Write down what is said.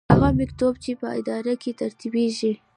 هغه مکتوب چې په اداره کې ترتیبیږي.